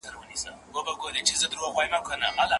که د هېواد مینه وي نو مینه ډېرېږي.